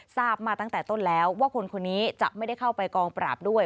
ทราบมาตั้งแต่ต้นแล้วว่าคนคนนี้จะไม่ได้เข้าไปกองปราบด้วย